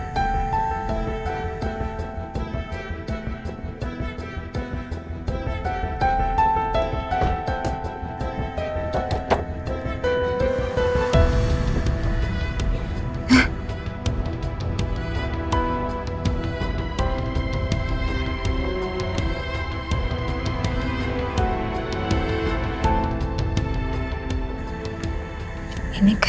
ini kayaknya keluarga bu sarah